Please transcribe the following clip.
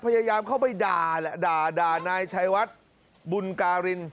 พยายามเข้าไปด่าแหละด่านายชัยวัดบุญการิน